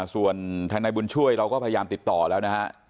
ส่วนทางนายบุญช่วยเราก็พยายามติดต่อแล้วนะฮะ